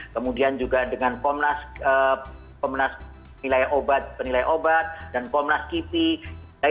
kemudian juga dengan komnas penilai obat dan komnas kipi